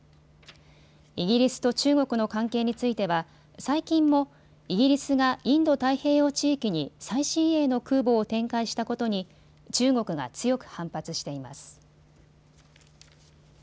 イギリスと中国の関係については最近もイギリスがインド太平洋地域に最新鋭の空母を展開したことに中国が強く反発しています。